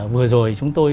vừa rồi chúng tôi